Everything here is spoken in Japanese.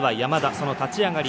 その立ち上がり。